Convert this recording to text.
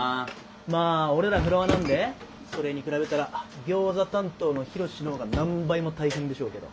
まあ俺らフロアなんでそれに比べたらギョーザ担当のヒロシのほうが何倍も大変でしょうけど。